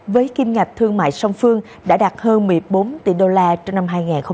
với kim ngạch thương mại song phương đã đạt hơn một mươi bốn tỷ đô la trong năm hai nghìn hai mươi ba